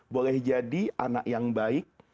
boleh jadi anak yang baik